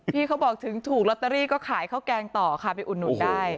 พี่เขาบอกถึงถูกลอตเตอรี่ก็ขายข้าวแกงต่อค่ะไปอุดหนุนได้